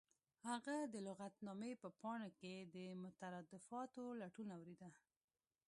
هغه د لغتنامې په پاڼو کې د مترادفاتو لټون اوریده